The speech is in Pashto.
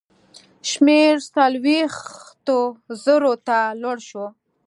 شمېر څلوېښتو زرو ته لوړ شو.